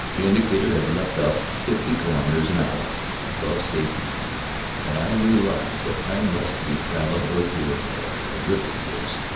The indicator had leaped up fifty kilometres an hour above safety speed, and I realized that I must be traveling earthward at a terrific pace.